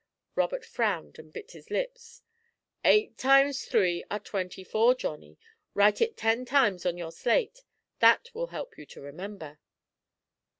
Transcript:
Robert frowned and bit his lips. "Eight times three are twenty four, Johnny. Write it ten times on your slate that will help you to remember."